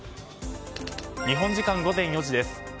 日本時間午前４時です。